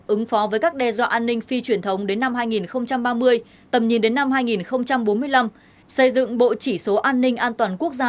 ứng phó với các đe dọa an ninh phi truyền thống đến năm hai nghìn ba mươi tầm nhìn đến năm hai nghìn bốn mươi năm xây dựng bộ chỉ số an ninh an toàn quốc gia